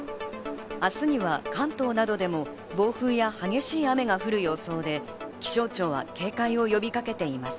明日には関東などでも暴風や激しい雨が降る予想で、気象庁は警戒を呼びかけています。